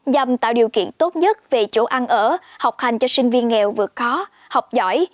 nhằm tạo điều kiện tốt nhất về chỗ ăn ở học hành cho sinh viên nghèo vượt khó học giỏi